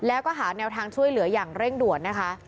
แล้วก็หาแนวทางช่วยเหลืออย่างเร่งด่วนนะคะ